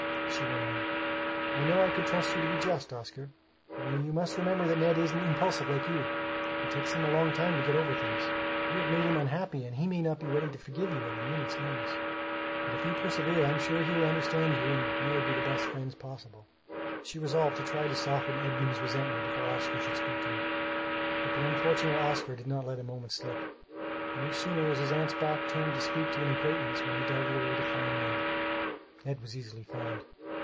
She went on: "I knew I could trust you to be just, Oscar. Only you must remember that Ned isn't impulsive like you; it takes him a long time to get over things. You have made him unhappy and he may not be ready to forgive you at a minute's notice. But if you persevere, I am sure he will understand you and you will be the best friends possible." Privately, she resolved to try to soften Edmund's resentment before Oscar should speak to him. But the unfortunate Oscar did not let a moment slip. No sooner was his aunt's back turned to speak to an acquaintance than he darted away "to find Ned." Ned was easily found.